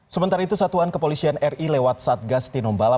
sementara itu satuan kepolisian ri lewat satgas tinombala